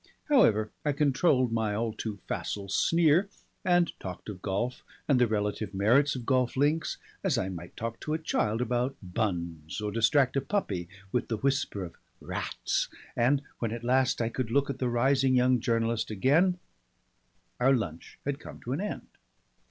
However, I controlled my all too facile sneer and talked of golf and the relative merits of golf links as I might talk to a child about buns or distract a puppy with the whisper of "rats," and when at last I could look at the rising young journalist again our lunch had come to an end.